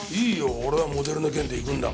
俺はモデルの件で行くんだから。